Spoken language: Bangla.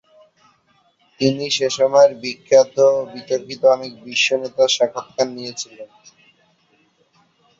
তিনি সে সময়ের বিখ্যাত ও বিতর্কিত অনেক বিশ্ব নেতার সাক্ষাৎকার নিয়েছিলেন।